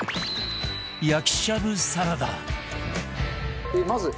焼きしゃぶサラダ